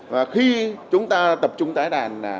và khi chúng ta tập trung tái đàn